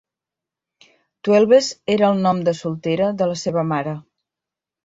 Twelves era el nom de soltera de la seva mare.